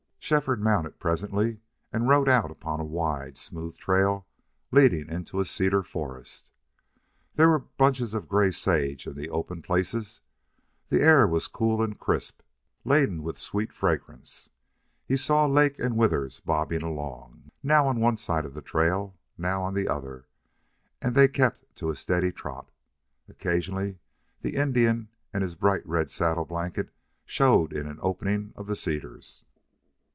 Shefford mounted presently, and rode out upon a wide, smooth trail leading into a cedar forest. There were bunches of gray sage in the open places. The air was cool and crisp, laden with a sweet fragrance. He saw Lake and Withers bobbing along, now on one side of the trail, now on the other, and they kept to a steady trot. Occasionally the Indian and his bright red saddle blanket showed in an opening of the cedars.